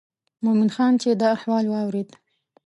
مومن خان چې دا احوال واورېد.